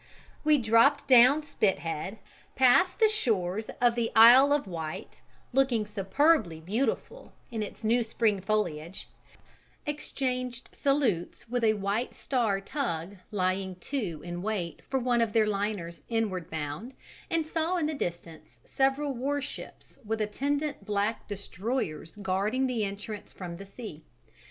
We dropped down Spithead, past the shores of the Isle of Wight looking superbly beautiful in new spring foliage, exchanged salutes with a White Star tug lying to in wait for one of their liners inward bound, and saw in the distance several warships with attendant black destroyers guarding the entrance from the sea.